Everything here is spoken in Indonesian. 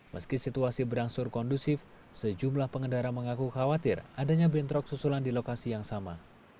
meski situasi berangsur kondusif sejumlah pengendara mengaku khawatir adanya bentrok susulan di lokasi yang sama